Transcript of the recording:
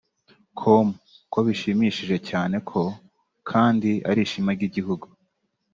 com ko bishimishije cyane ko kandi ari ishema ry’igihugu